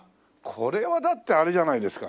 これはだってあれじゃないですか。